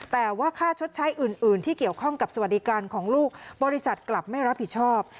แต่ว่าค่าชดใช้อื่นที่เกี่ยวข้องกับสวัสดิการของลูกบริษัทกลับไม่รับผิดชอบ